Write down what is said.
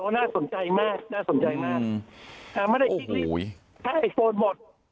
หน้าสนใจมากถ้าไอฟรูลหมด